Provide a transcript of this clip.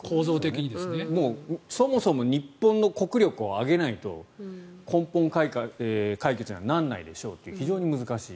もうそもそも日本の国力を上げないと根本解決にはならないでしょうという非常に難しい。